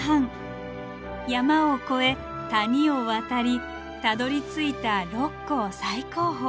山を越え谷を渡りたどりついた六甲最高峰。